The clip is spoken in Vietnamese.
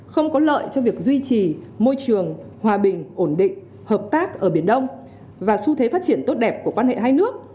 không có lợi cho việc duy trì môi trường hòa bình ổn định hợp tác ở biển đông và xu thế phát triển tốt đẹp của quan hệ hai nước